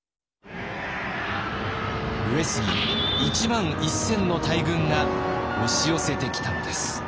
上杉１万１千の大軍が押し寄せてきたのです。